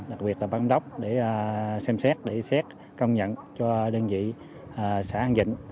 đặc biệt là bác đốc để xem xét để xét công nhận cho đơn vị xã hàng vịnh